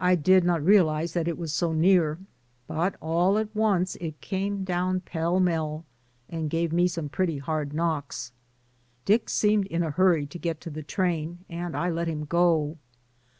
I did not realize that it was so near, but all at once it came down pell mell and gave me some pretty hard knocks. Dick seemed in a hurry to get to the train, and I let him go.